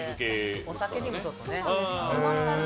お酒にもちょっとね。